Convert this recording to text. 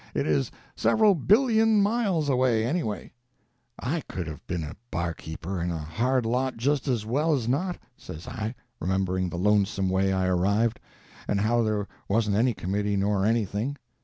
It is several billion miles away, anyway." "I could have been a barkeeper and a hard lot just as well as not," says I, remembering the lonesome way I arrived, and how there wasn't any committee nor anything.